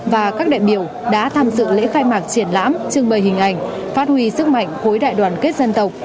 và các đại biểu đã tham dự lễ khai mạc triển lãm trưng bày hình ảnh phát huy sức mạnh khối đại đoàn kết dân tộc